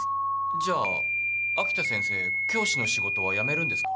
じゃあ秋田先生教師の仕事は辞めるんですか？